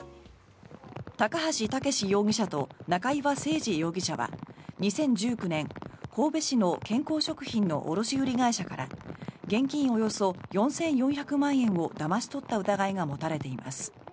高橋武士容疑者と中岩誠二容疑者は２０１９年神戸市の健康食品の卸売会社から現金およそ４４００万円をだまし取った疑いが持たれています。